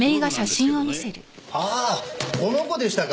ああこの子でしたか。